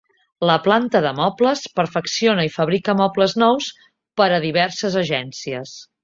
La planta de mobles perfecciona i fabrica mobles nous per a diverses agències.